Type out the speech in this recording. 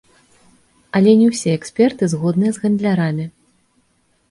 Але не ўсе эксперты згодныя з гандлярамі.